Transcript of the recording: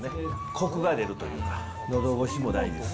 こくが出るというか、のどごしも大事です。